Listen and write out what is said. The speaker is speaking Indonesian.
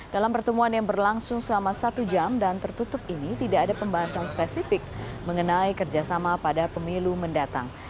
dalam pertemuan yang berlangsung selama satu jam dan tertutup ini tidak ada pembahasan spesifik mengenai kerjasama pada pemilu mendatang